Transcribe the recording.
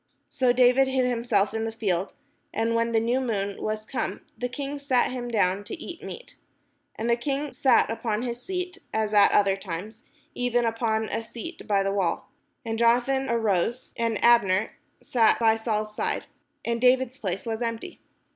So David hid himself in the field: and when the new moon was come, the king sat him down to eat meat. And the king sat upon his seat, as at other times, even upon a seat by the wall : and Jonathan arose, and 557 PALESTINE Abner sat by Saul's side, and David's place was empty.